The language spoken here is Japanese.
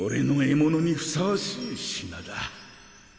ものにふさわしい品だ。